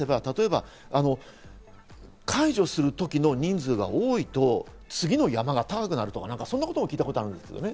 時期をずらせば解除する時の人数が多いと、次の山が高くなるとか、そんなことも聞いたことあるんです。